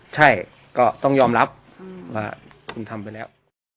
ใช่ก็ต้องยอมรับว่าคุณทำไปแล้ว